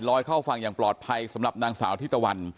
เข้าฝั่งอย่างปลอดภัยสำหรับนางสาวที่ตะวัน